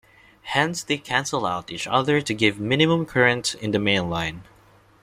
Hence they cancel out each other to give minimum current in the main line.